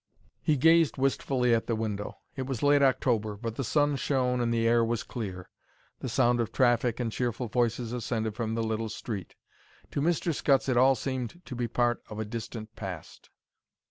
He gazed wistfully at the window. It was late October, but the sun shone and the air was clear. The sound of traffic and cheerful voices ascended from the little street. To Mr. Scutts it all seemed to be a part of a distant past.